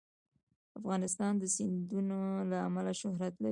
افغانستان د سیندونه له امله شهرت لري.